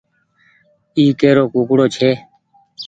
اي ڪي رو ڪوڪڙو ڇي۔